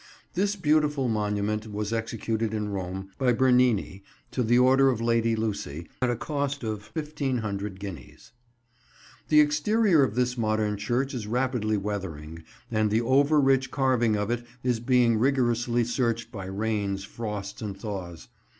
This beautiful monument was executed in Rome, by Bernini, to the order of Lady Lucy, at a cost of 1500 guineas. The exterior of this modern church is rapidly weathering, and the over rich carving of it is being rigorously searched by rains, frosts and thaws.